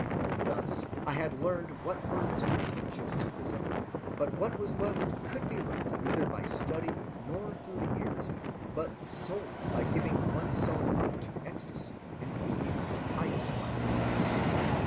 —Thus I had learned what words could teach of Sufism, but what was left could be learned neither by study nor through the ears, but solely by giving one's self up to ecstasy and leading a pious life.